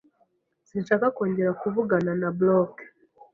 Sinshaka kongera kuvugana na bloke.